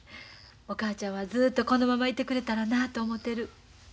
お母ちゃんはずっとこのままいてくれたらなあと思てる。